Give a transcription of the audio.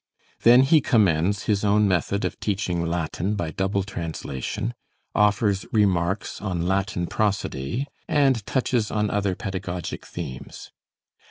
Then he commends his own method of teaching Latin by double translation, offers remarks on Latin prosody, and touches on other pedagogic themes.